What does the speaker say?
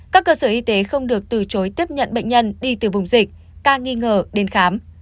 các cơ sở y tế không được từ chối tiếp nhận bệnh nhân đi từ vùng dịch ca nghi ngờ đến khám